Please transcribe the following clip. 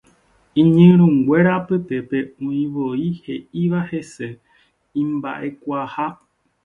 Iñirũnguéra apytépe oĩvoi he'íva hese imba'ekuaaha.